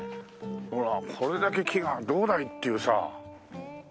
ほらこれだけ木が「どうだい？」っていうさ。